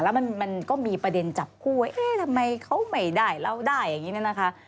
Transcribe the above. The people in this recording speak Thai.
แล้วมันก็มีประเด็นจับคู่ทำไมเขาไม่ได้เราได้อย่างนี้นะคะ